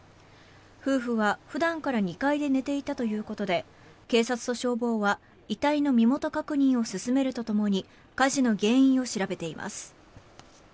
夫婦は普段から２階で寝ていたということで警察と消防は遺体の身元確認を進めると共に火事の原因を調べています。